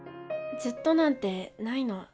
ずっとなんてないの。